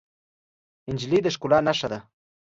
نجلۍ د ښکلا نښه ده.